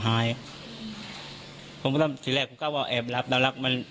หล่างหาย